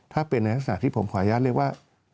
ถ้าเป็นในลักษณะที่ผมขออนุญาตเรียกว่า